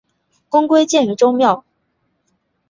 公归荐于周庙。